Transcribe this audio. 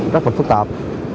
rất là phức tạp